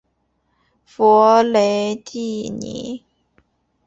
弗雷蒂尼。